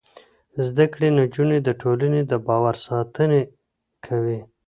زده کړې نجونې د ټولنې د باور ساتنه کوي.